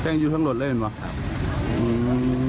แท่งอยู่ข้างหลังรถเลยเป็นไหม